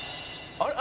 「あれ？